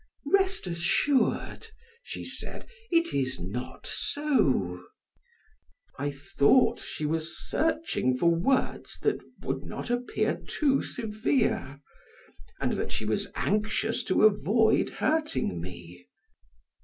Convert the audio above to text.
"Rest assured," she said, "it is not so." I thought she was searching for words that would not appear too severe, and that she was anxious to avoid hurting me.